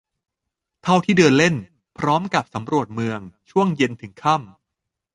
เท่าที่เดินเล่นพร้อมกับสำรวจเมืองช่วงเย็นถึงค่ำ